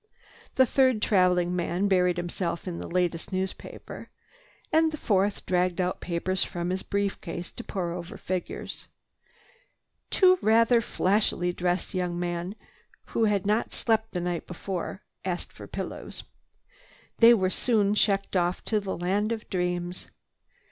The third traveling man buried himself in the latest newspaper, and the fourth dragged out papers from his brief case to pour over figures. Two rather flashily dressed young men, who had not slept the night before, asked for pillows. They were soon checked off to the land of dreams.